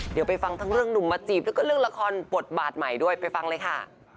เดี๋ยวไปฟังทั้งเรื่องหนุ่มมาจีบแล้วก็เรื่องละครบทบาทใหม่ด้วยไปฟังเลยค่ะ